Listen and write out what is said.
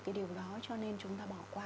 cái điều đó cho nên chúng ta bỏ qua